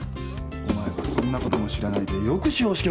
お前はそんなことも知らないでよく司法試験受けるな。